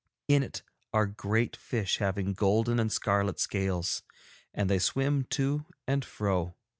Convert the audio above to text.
In it are great fish having golden and scarlet scales, and they swim to and fro.